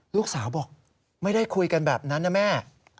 ลูกสาวบอกไม่ได้คุยกันแบบนั้นนะแม่